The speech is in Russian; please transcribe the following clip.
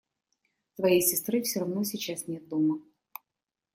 Твоей сестры все равно сейчас нет дома.